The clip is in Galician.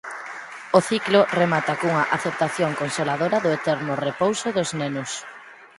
O ciclo remata cunha aceptación consoladora do eterno repouso dos nenos.